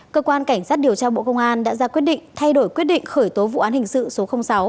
cơ quan cảnh sát điều tra bộ công an đã ra quyết định thay đổi quyết định khởi tố vụ án hình sự số sáu